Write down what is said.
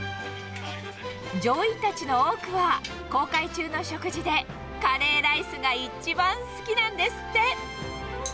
乗員たちの多くは航海中の食事で、カレーライスが一番好きなんですって。